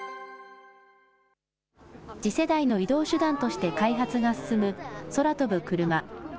次世代の移動手段として開発が進む空飛ぶクルマ。